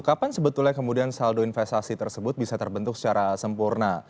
kapan sebetulnya kemudian saldo investasi tersebut bisa terbentuk secara sempurna